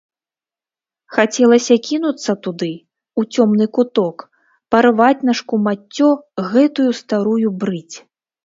Хацелася кінуцца туды, у цёмны куток, парваць на шкумаццё гэтую старую брыдзь.